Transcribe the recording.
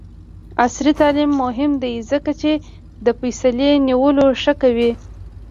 عصري تعلیم مهم دی ځکه چې د فیصلې نیولو ښه کوي.